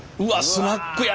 スナックや。